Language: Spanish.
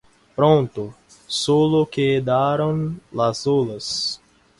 Pronto solo quedaron las olas.